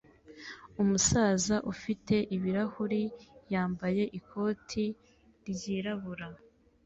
Umusaza ufite ibirahuri yambaye ikoti ryirabura